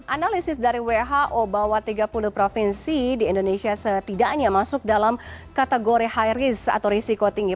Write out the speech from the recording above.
analisis dari who bahwa tiga puluh provinsi di indonesia setidaknya masuk dalam kategori high risk atau risiko tinggi